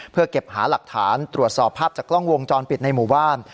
เพื่อเก็บหาหลักฐานตรวจสอบภาพจากกล้องวงจรปิดในหมู่บ้าน